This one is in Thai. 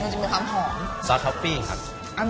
ซอสท็อปปี้ครับ